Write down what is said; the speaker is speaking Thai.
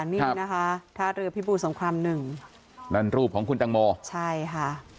นี่นะคะท่าเรือพิบูรสงครามหนึ่งนั่นรูปของคุณตังโมใช่ค่ะ